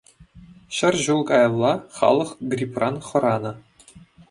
Ҫӗр ҫул каялла халӑх гриппран хӑранӑ.